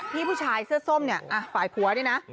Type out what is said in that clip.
ที่ผู้ชายเสื้อส้มฝ่ายผัวนี่นะ